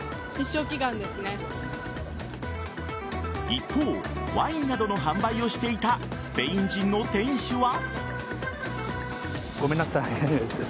一方、ワインなどの販売をしていたスペイン人の店主は。